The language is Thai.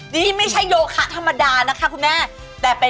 นี่ไม่ใช่โยคะธรรมดานะคะคุณแม่